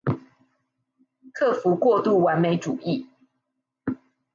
克服過度完美主義